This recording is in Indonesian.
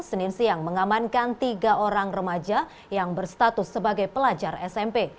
senin siang mengamankan tiga orang remaja yang berstatus sebagai pelajar smp